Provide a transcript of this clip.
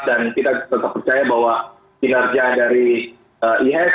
dan kita tetap percaya bahwa kinerja dari ee ihs